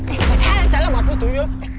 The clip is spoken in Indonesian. eh jangan bakal tuh yuk